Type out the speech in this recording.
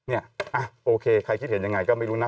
นี่อ่ะโอเคใครคิดเห็นอย่างไรก็ไม่รู้นะ